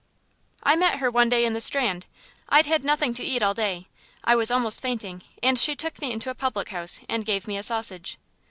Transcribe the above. "I met her one day in the Strand. I'd had nothing to eat all day. I was almost fainting, and she took me into a public house and gave me a sausage."